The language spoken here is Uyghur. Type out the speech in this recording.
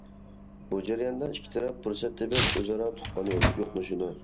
بۇ جەرياندا ئىككى تەرەپ پۇرسەت تېپىپ ئۆزئارا تۇغقان يوقلىشىدۇ.